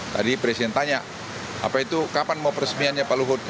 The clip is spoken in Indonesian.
tadi presiden tanya apa itu kapan mau peresmiannya pak luhut